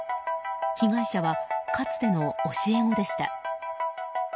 被害者はかつての教え子でした。